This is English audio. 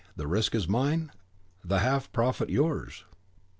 the risk is mine, the half profits yours.